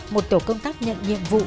một tổ công tác nhận nhiệm vụ